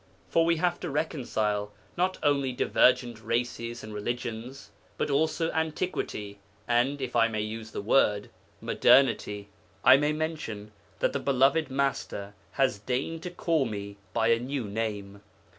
For we have to reconcile not only divergent races and religions, but also antiquity and (if I may use the word) modernity. I may mention that the beloved Master has deigned to call me by a new name.